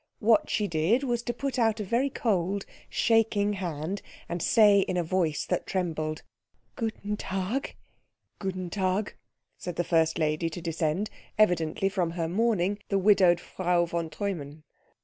What she did was to put out a very cold, shaking hand, and say in a voice that trembled, "Guten Tag." "Guten Tag," said the first lady to descend; evidently, from her mourning, the widowed Frau von Treumann.